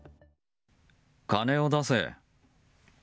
金を出せ。